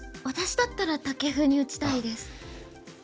私だったらタケフに打ちたいです。